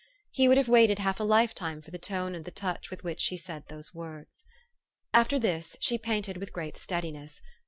He would have waited half a lifetime for the tone and the touch with which she said those words. After this she painted with great steadiness.